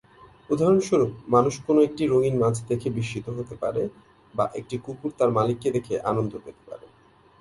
উদাহরণস্বরুপ; মানুষ কোনো একটি রঙিন মাছ দেখে বিস্মিত হতে পারে, বা একটি কুকুর তার মালিককে দেখে আনন্দ পেতে পারে।